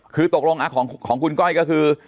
คือตกลงของคุณก้อยก็คือ